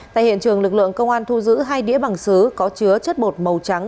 tại hiện trường lực lượng công an thu giữ hai đĩa bằng sứ có chứa chất bột màu trắng